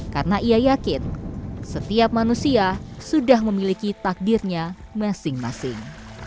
karena ia yakin setiap manusia sudah memiliki takdirnya masing masing